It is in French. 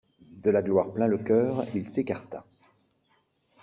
De la gloire plein le cœur, il s'écarta.